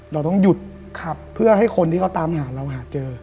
เราต้องหยุดเพื่อให้คนที่เขาตามหาเราหาเจอ